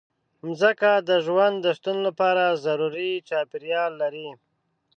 مځکه د ژوند د شتون لپاره ضروري چاپېریال لري.